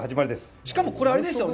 しかもこれ、あれですよね。